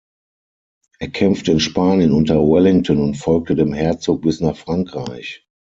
Er kämpfte in Spanien unter Wellington und folgte dem Herzog bis nach Frankreich.